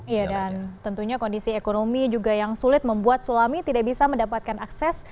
iya dan tentunya kondisi ekonomi juga yang sulit membuat sulami tidak bisa mendapatkan akses